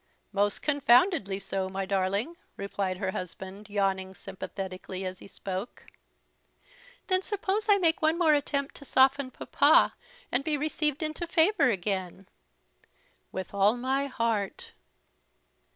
"Most confoundedly so, my darling," replied her husband, yawning sympathetically as he spoke. "Then suppose I make one more attempt to soften papa, and be received into favour again?" "With all my heart."